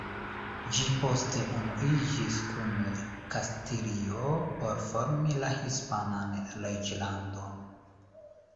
Ĝi poste unuiĝis kun Kastilio por formi la hispanan reĝlandon.